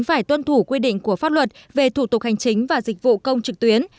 phải tuân thủ quy định của pháp luật về thủ tục hành chính và dịch vụ công trực tuyến